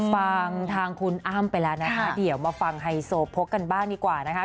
ฟังทางคุณอ้ำไปแล้วนะคะเดี๋ยวมาฟังไฮโซโพกกันบ้างดีกว่านะคะ